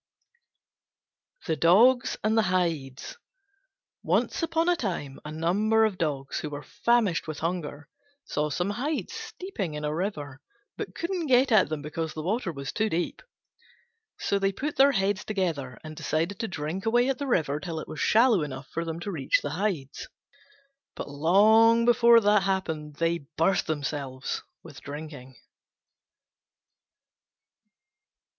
THE DOGS AND THE HIDES Once upon a time a number of Dogs, who were famished with hunger, saw some Hides steeping in a river, but couldn't get at them because the water was too deep. So they put their heads together, and decided to drink away at the river till it was shallow enough for them to reach the Hides. But long before that happened they burst themselves with drinking.